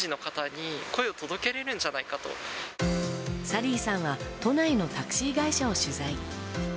サリーさんは都内のタクシー会社を取材。